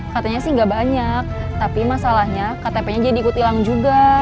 katanya sih gak banyak tapi masalahnya ktp nya jadi ikut hilang juga